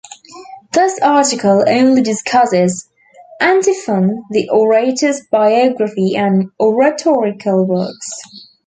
This article only discusses Antiphon the Orator's biography and oratorical works.